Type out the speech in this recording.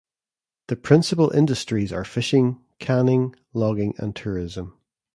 The principal industries are fishing, canning, logging and tourism.